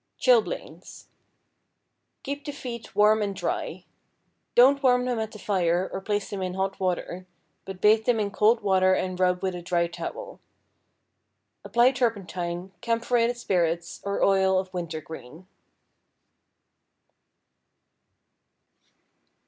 =Chilblains.= Keep the feet warm and dry. Don't warm them at a fire or place them in hot water, but bathe them in cold water and rub with a dry towel. Apply turpentine, camphorated spirits, or oil of wintergreen.